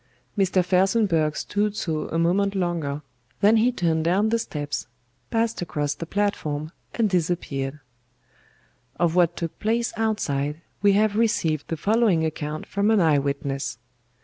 "Mr. FELSENBURGH stood so a moment longer, then he turned down the steps, passed across the platform and disappeared. "Of what took place outside we have received the following account from an eye witness.